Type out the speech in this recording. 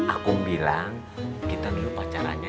aku bilang kita dulu pacarannya